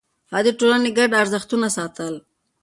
هغه د ټولنې ګډ ارزښتونه ساتل.